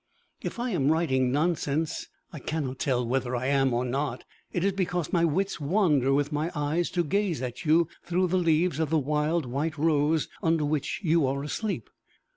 "If I am writing nonsense I cannot tell whether I am or not it is because my wits wander with my eyes to gaze at you through the leaves of the wild white rose under which you are asleep.